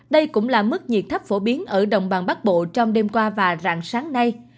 đây cũng là mức nhiệt thấp phổ biến ở đồng bằng bắc bộ trong đêm qua và rạng sáng nay